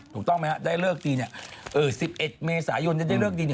ถูกต้องไหมครับได้เลิกดี๑๑เมษายนได้เลิกดี